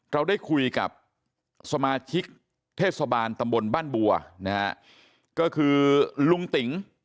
เราได้คุยกับสมาชิกเทศบาลตำบลบ้านบัวนะฮะก็คือลุงติ๋ง